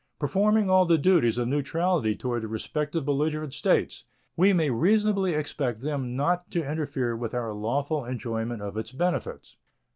Performing all the duties of neutrality toward the respective belligerent states, we may reasonably expect them not to interfere with our lawful enjoyment of its benefits.